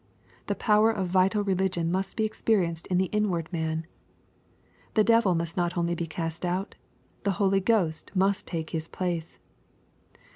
The power of vital religion must be experienced in the inward man. — The devil must not only be cast out. The Holy Ghost must take his place.